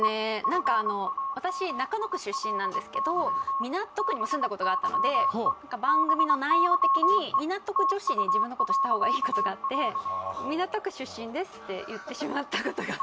何かあの私中野区出身なんですけど港区にも住んだことがあったので何か番組の内容的に港区女子に自分のことした方がいいことがあってって言ってしまったことがありますね